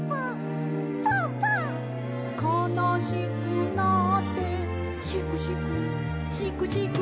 「かなしくなってシクシクシクシク」